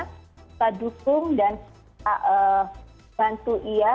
kita dukung dan bantu ia